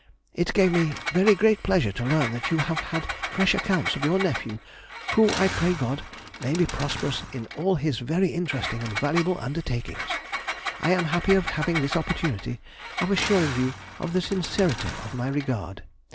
It gave me very great pleasure to learn that you have had fresh accounts of your nephew, who, I pray God, may be prosperous in all his very interesting and valuable undertakings. I am happy of having this opportunity of assuring you of the sincerity of my regard.